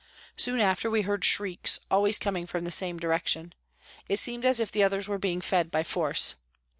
Soon after we heard shrieks, always coming from the same direction. It seemed as if the others were being fed by force.